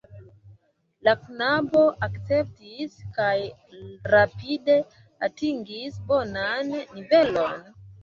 La knabo akceptis, kaj rapide atingis bonan nivelon.